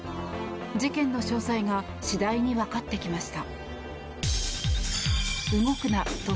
事件の詳細が次第に分かってきました。